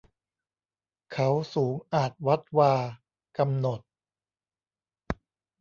เขาสูงอาจวัดวา กำหนด